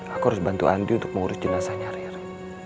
aku harus bantu andi untuk mengurus jenazahnya riri